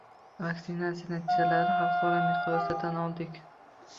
Vaksinatsiya natijalarini xalqaro miqyosda tan oldik